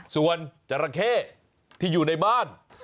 ส่วนจราเข้ที่อยู่ในบ้าน